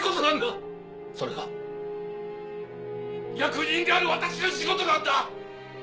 それが役人である私の仕事なんだ！